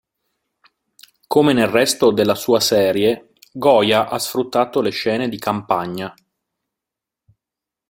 Come nel resto della sua serie, Goya ha sfruttato le scene di campagna.